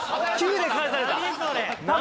Ｑで返された何？